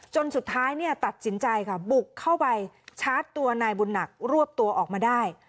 จนสุดท้ายตัดสินใจค่ะบุกเข้าไปชาร์จตัวนายบุญหนักรวบตัวออกมาได้